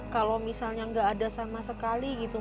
kalau misalnya nggak ada sama sekali gitu